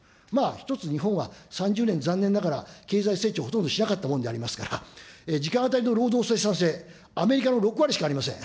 一つ日本は、３０年、残念ながら経済成長、ほとんどしなかったもんでありますから、時間当たりの労働生産性、アメリカの６割しかありません。